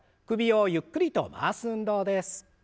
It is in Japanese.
首をゆっくりと回す運動です。